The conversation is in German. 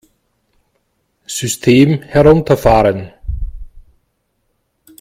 System herunterfahren!